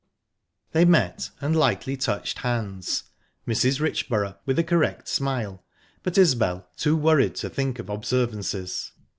They met, and lightly touched hands Mrs. Richborough with a correct smile, but Isbel too worried to think of observances.